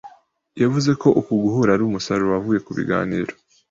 yavuze ko uku guhura ari umusaruro wavuye mu biganiro